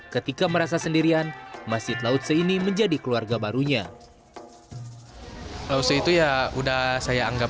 ketika merasa sendirian masjid lao tse ini menjadi keluarga barunya